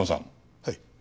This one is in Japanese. はい。